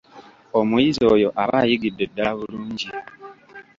Omuyizi oyo aba ayigidde ddala bulungi.